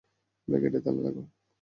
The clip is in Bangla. ভাই, গেইটে তালা লাগাও।